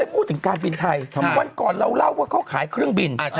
พูดถึงการบินไทยวันก่อนเราเล่าว่าเขาขายเครื่องบิน